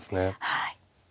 はい。